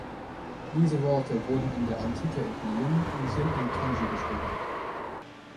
Diese Worte wurden in der Antike entliehen und sind in Kanji geschrieben.